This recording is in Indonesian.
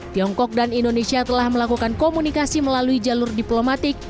tiongkok dan indonesia telah melakukan komunikasi melalui jalur diplomatik